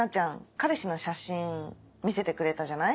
彼氏の写真見せてくれたじゃない？